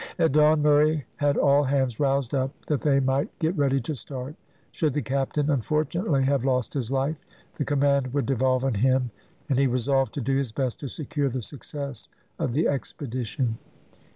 At dawn Murray had all hands roused up that they might get ready to start. Should the captain unfortunately have lost his life the command would devolve on him, and he resolved to do his best to secure the success of the expedition.